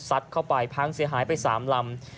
เข้าไปพังเสียหายไป๓ลำ